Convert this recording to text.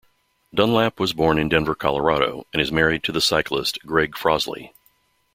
Dunlap was born in Denver, Colorado, and is married to the cyclist Greg Frozley.